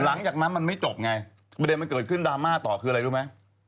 หลังจากนั้นมันไม่จบไงประเด็นมันเกิดขึ้นดราม่าต่อคืออะไรรู้ไหม